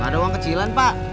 ada uang kecilan pak